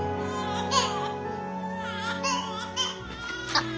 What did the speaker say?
・あっ。